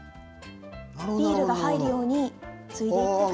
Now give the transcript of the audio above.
ビールが入るようについでください。